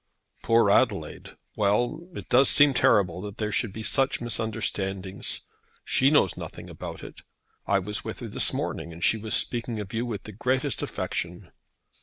"Poor Adelaide. Well; it does seem terrible that there should be such misunderstandings. She knows nothing about it. I was with her this morning, and she was speaking of you with the greatest affection."